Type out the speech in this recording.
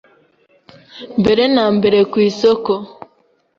mbere na mbere ku isoko